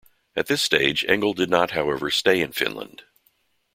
At this stage Engel did not however stay in Finland.